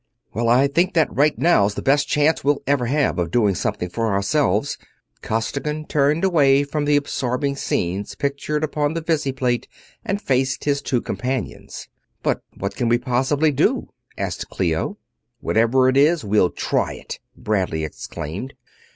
"Well, I think that right now's the best chance we'll ever have of doing something for ourselves." Costigan turned away from the absorbing scenes pictured upon the visiplate and faced his two companions. "But what can we possibly do?" asked Clio. "Whatever it is, we'll try it!" Bradley exclaimed.